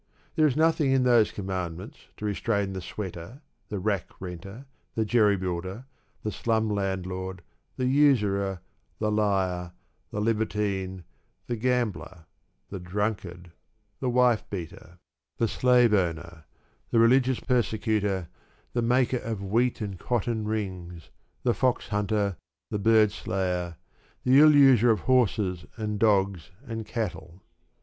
There is nothing in those Commandments to restrain the sweater, the rack renter, the jerry builder, the slum landlord, the usurer, the liar, the libertine, the gambler, the drunkard, the wife beater, the slave owner, the religious persecutor, the maker of wheat and cotton rings, the fox hunter, the bird slayer, the ill user of horses and dogs and cattle.